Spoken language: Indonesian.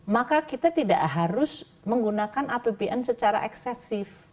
maka kita tidak harus menggunakan apbn secara eksesif